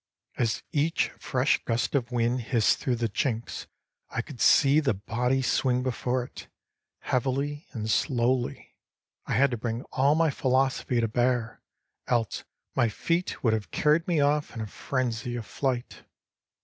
As each fresh gust of wind hissed through the chinks, I could see the body swing before it, heavily and slowly. I had to bring all my philosophy to bear, else my feet would have carried me off in a frenzy of flight.